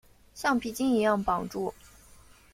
橡皮筋一样绑住